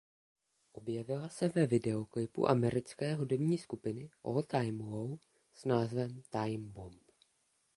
Objevila se ve videoklipu americké hudební skupiny All Time Low s názvem Time Bomb.